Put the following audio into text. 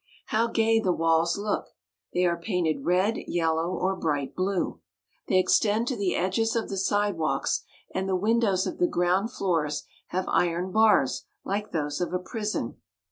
How gay the walls look ! They are painted red, yellow, or bright blue. They extend to the edges of the sidewalks, and the win dows of the ground floors have iron bars like those of a prison.